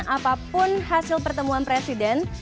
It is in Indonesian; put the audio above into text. apapun hasil pertemuan presiden